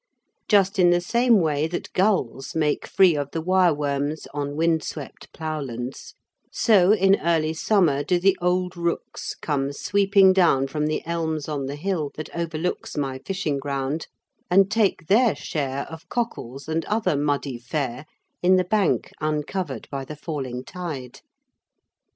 Just in the same way that gulls make free of the wireworms on windswept ploughlands, so in early summer do the old rooks come sweeping down from the elms on the hill that overlooks my fishing ground and take their share of cockles and other muddy fare in the bank uncovered by the falling tide.